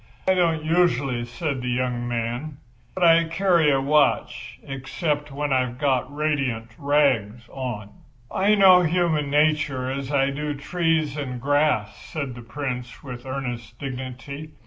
"I don't usually," said the young man. "I carry a watch except when I've got my radiant rags on." "I know human nature as I do the trees and grass," said the Prince, with earnest dignity.